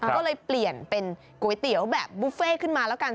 ก็เลยเปลี่ยนเป็นก๋วยเตี๋ยวแบบบุฟเฟ่ขึ้นมาแล้วกัน